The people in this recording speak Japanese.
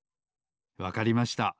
わかりました。